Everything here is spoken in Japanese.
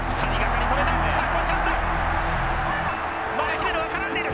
姫野が絡んでいる。